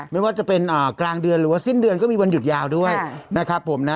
ไม่ว่าจะเป็นกลางเดือนหรือว่าสิ้นเดือนก็มีวันหยุดยาวด้วยนะครับผมนะ